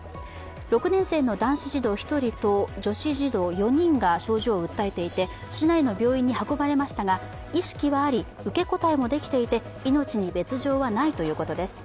６年生の男子児童１人と、女子児童４人が症状を訴えていて市内の病院に運ばれましたが、意識はあり、受け答えもできていて、命に別状はないということです。